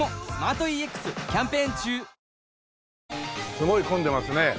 すごい混んでますね。